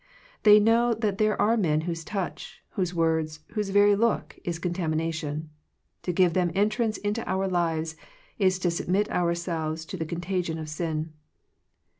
They know that there are men whose touch, whose words, whose very look, is contamination. To give them entrance into our lives is to submit ourselves to the contagion of sin.